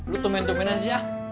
lu temen temenan sih ya